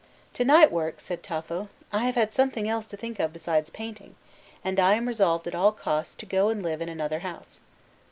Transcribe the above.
"To night work!" said Tafo, "I have had something else to think of besides painting, and I am resolved at all costs to go and live in another house."